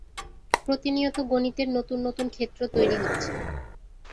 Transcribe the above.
প্রতিনিয়ত গণিতের নতুন নতুন ক্ষেত্র তৈরি হচ্ছে।